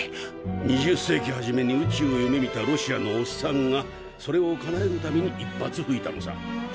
２０世紀初めに宇宙を夢みたロシアのおっさんがそれをかなえるために一発ふいたのさ。